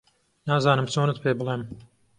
نازانم چۆنت پێ بڵێم